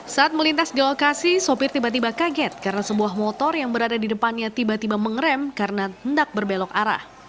saat melintas di lokasi sopir tiba tiba kaget karena sebuah motor yang berada di depannya tiba tiba mengerem karena hendak berbelok arah